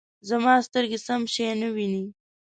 زما سترګې سم شی نه وینې